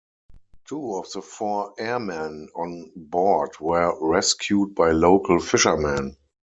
Two of the four airmen on board were rescued by local fishermen.